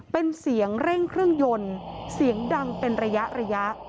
เป็นเสียงเร่งเครื่องยนต์เสียงดังเป็นระยะ